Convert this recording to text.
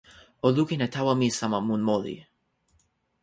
o lukin e tawa mi sama mun moli.